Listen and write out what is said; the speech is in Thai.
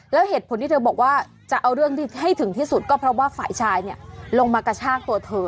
แล้วเหตุผลที่เธอบอกว่าจะเอาเรื่องให้ถึงที่สุดก็เพราะว่าฝ่ายชายลงมากระชากตัวเธอ